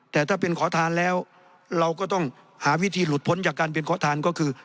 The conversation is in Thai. แต่ถ้าเป็นขอทานแล้วเราก็ต้องหาวิธีหลุดพ้นจากการเป็นขอทานก็คือ